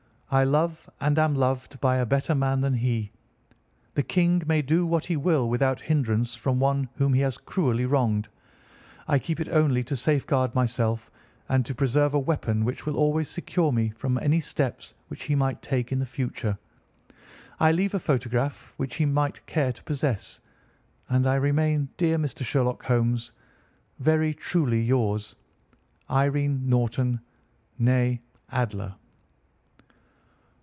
I love and am loved by a better man than he. The King may do what he will without hindrance from one whom he has cruelly wronged. I keep it only to safeguard myself, and to preserve a weapon which will always secure me from any steps which he might take in the future. I leave a photograph which he might care to possess; and I remain, dear Mr. Sherlock Holmes, "Very truly yours, "IRENE NORTON, née ADLER."